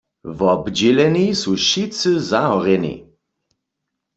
Wobdźěleni su wšitcy zahorjeni.